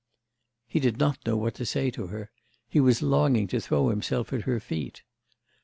He did not know what to say to her. He was longing to throw himself at her feet.